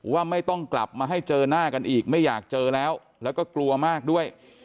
ว่าไม่ต้องกลับมาให้เจอหน้ากันอีกไม่อยากเจอแล้วแล้วก็กลัวมากด้วย